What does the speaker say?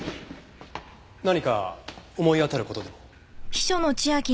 何か思い当たる事でも？